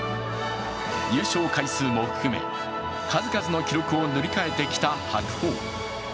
優勝回数も含め、数々の記録を塗り替えてきた白鵬。